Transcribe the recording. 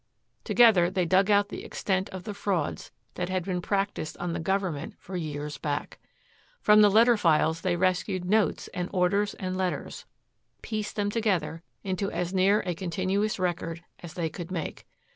Together they dug out the extent of the frauds that had been practiced on the Government for years back. From the letter files they rescued notes and orders and letters, pieced them together into as near a continuous record as they could make.